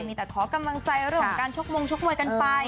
มีแต่ขอกำลังใจเรื่องของการชกมงชกมวยกันไป